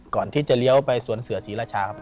ก่อนที่จะเลี้ยวไปสวนเสือศรีราชาครับ